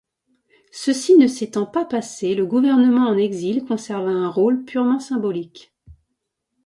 Ceci ne s'étant pas passé, le gouvernement en exil conserva un rôle purement symbolique.